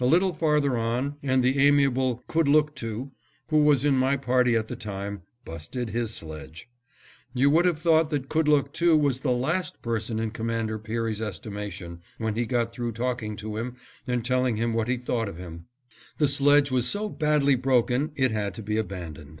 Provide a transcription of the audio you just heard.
A little farther on, and the amiable Kudlooktoo, who was in my party at the time, busted his sledge. You would have thought that Kudlooktoo was the last person in Commander Peary's estimation, when he got through talking to him and telling him what he thought of him. The sledge was so badly broken it had to be abandoned.